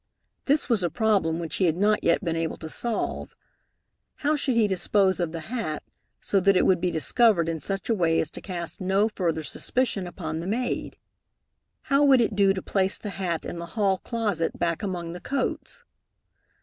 This was a problem which he had not yet been able to solve. How should he dispose of the hat so that it would be discovered in such a way as to cast no further suspicion upon the maid? How would it do to place the hat in the hall closet, back among the coats?